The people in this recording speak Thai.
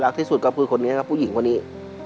รักที่สุดกับคุณคนนี้ครับผู้หญิงวันนี้